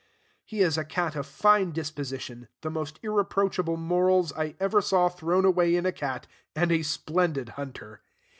He is a cat of fine disposition, the most irreproachable morals I ever saw thrown away in a cat, and a splendid hunter.